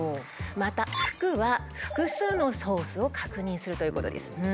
また「ふく」は「複数」のソースを確認するということです。